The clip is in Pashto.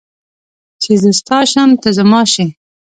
چې زه ستا شم ته زما شې